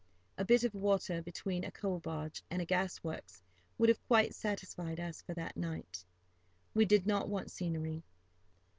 A bit of water between a coal barge and a gas works would have quite satisfied us for that night. We did not want scenery.